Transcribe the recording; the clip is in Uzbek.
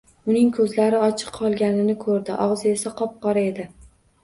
Uning koʻzlari ochiq qolganini koʻrdi, ogʻzi esa qop-qora edi.